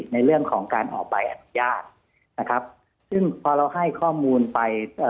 ในเรื่องของการออกไปภูเขาพยาบนะครับซึ่งพอเราให้ข้อมูลไป